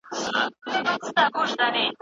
مغولو د هېواد په شمال کي واکمني درلوده.